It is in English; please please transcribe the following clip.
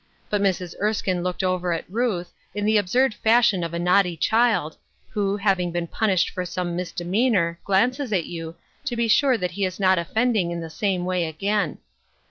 But Mrs. Erskine looked over at Ruth, in the absurd fashion of a naughty child, who, hasdng been punished for some misdemeanor, glances at you, to be sure that he is not offend ing in the same way again.